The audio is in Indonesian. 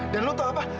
dan lu tau apa